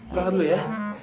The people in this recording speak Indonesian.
perhatian dulu ya